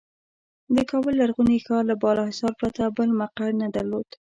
د کابل لرغوني ښار له بالاحصار پرته بل مقر نه درلود.